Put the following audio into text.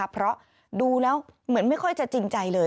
เพราะดูแล้วเหมือนไม่ค่อยจะจริงใจเลย